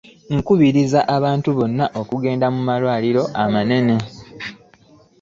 Nkubiriza abantu bonna okugenda mu malwaliro amanene.